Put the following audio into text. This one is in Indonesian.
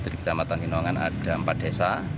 dari kecamatan hinongan ada empat desa